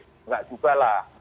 tidak juga lah